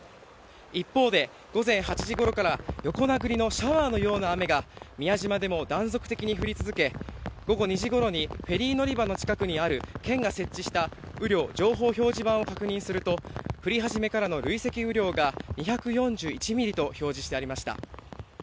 一方で、午前８時ごろから横殴りのシャワーのような雨が宮島でも断続的に降り続け午後２時ごろにフェリー乗り場の近くにある県が設置した雨量情報表示板を確認すると降り始めからの累積雨量が２４１ミリと表示してありました。